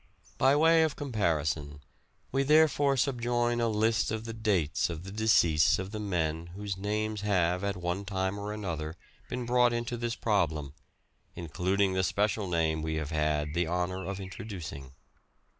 By way of comparison we therefore subjoin a list of the dates of the decease of the men whose names have at one time or another been brought into this problem, including the special name we have had the honour of introducing.